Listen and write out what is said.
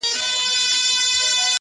• له اسمانه درته زرکي راولمه -